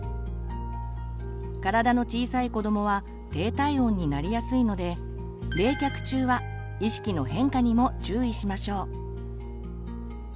体の小さい子どもは低体温になりやすいので冷却中は意識の変化にも注意しましょう。